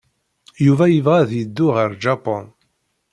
Yuba yebɣa ad yeddu ɣer Japun.